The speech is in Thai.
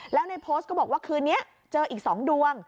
แล้วในโพสต์ก็บอกว่าคืนนี้เจออีก๒ดวง